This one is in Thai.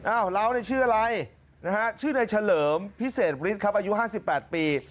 อ้าวเราในชื่ออะไรชื่อในเฉลิมพิเศษอายุ๕๘ปี